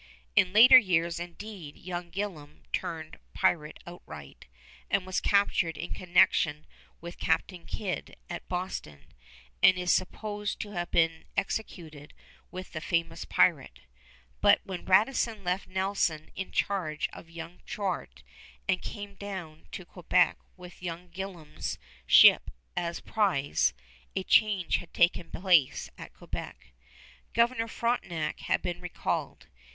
In later years, indeed, young Gillam turned pirate outright, was captured in connection with Captain Kidd at Boston, and is supposed to have been executed with the famous pirate. But when Radisson left Nelson in charge of young Chouart and came down to Quebec with young Gillam's ship as prize, a change had taken place at Quebec. Governor Frontenac had been recalled.